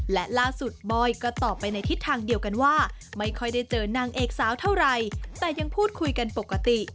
และล่าสุดบอยก็ตอบไปในทิศทางเดียวกันว่าไม่ค่อยได้เจอนางเอกสาวเท่าไหร่แต่ยังพูดคุยกันปกติ